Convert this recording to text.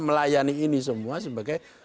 melayani ini semua sebagai